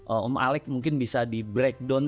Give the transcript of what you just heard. om alec mungkin bisa di breakdown sih apa namanya